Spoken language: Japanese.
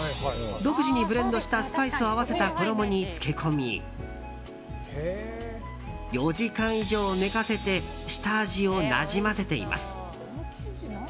独自にブレンドしたスパイスを合わせた衣に漬け込み４時間以上寝かせて下味をなじませています。